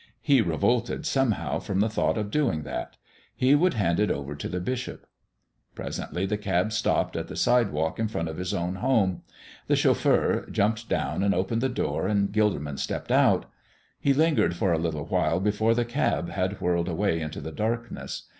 He revolted somehow from the thought of doing that; he would hand it over to the bishop. Presently the cab stopped at the sidewalk in front of his own home. The chauffeur jumped down and opened the door and Gilderman stepped out. He lingered for a little while after the cab had whirled away into the darkness.